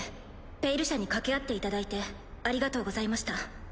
「ペイル社」に掛け合っていただいてありがとうございました。